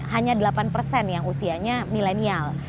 delapan hanya delapan yang usianya milenial